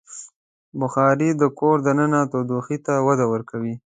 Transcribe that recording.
بخاري د کور دننه تودوخې ته وده ورکوي.